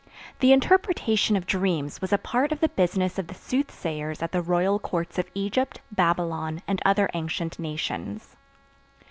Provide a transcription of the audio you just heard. The interpretation of dreams was a part of the business of the soothsayers at the royal courts of Egypt, Babylon and other ancient nations.